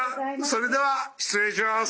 それでは失礼します」。